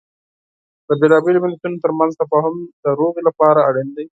د بیلابیلو مليتونو ترمنځ تفاهم د سولې لپاره اړین دی.